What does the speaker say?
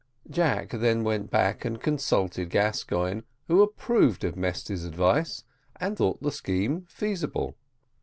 Jack then went back and consulted Gascoigne, who approved of Mesty's advice, and thought the scheme feasible.